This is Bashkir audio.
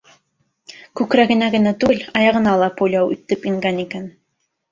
Күкрәгенә генә түгел, аяғына ла пуля үтеп ингән икән.